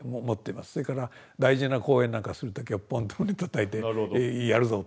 それから大事な講演なんかする時はポンと胸たたいてやるぞと。